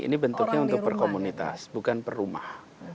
ini bentuknya untuk perkomunitas bukan per rumah